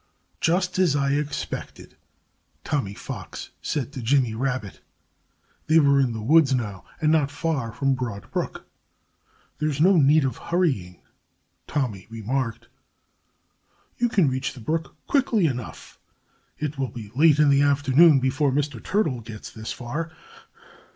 "Just as I expected!" Tommy Fox said to Jimmy Rabbit. They were in the woods now, and not far from Broad Brook. "There's no need of hurrying," Tommy remarked. "You can reach the brook quickly enough. It will be late in the afternoon before Mr. Turtle gets this far.